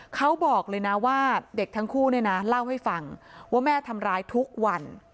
เขาบอกเลยนะว่าเด็กทั้งคู่เนี่ยนะเล่าให้ฟังว่าแม่ทำร้ายทุกวัน